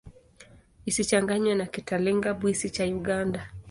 Isichanganywe na Kitalinga-Bwisi cha Uganda.